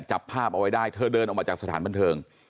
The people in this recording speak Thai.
จับภาพเอาไว้ได้เธอเดินออกมาจากสถานบันเทิง